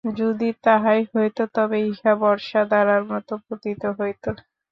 যদি তাহাই হইত, তবে ইহা বর্ষাধারার মত পতিত হইত।